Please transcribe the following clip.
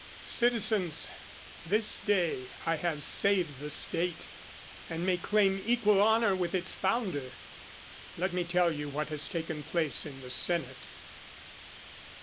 _Citizens! This day I have saved the State, and may claim equal honour with its founder. Let me tell you what has taken place in the Senate.